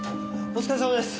お疲れさまです。